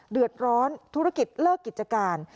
เดือดร้อนธุรกิจเลิกกิจการ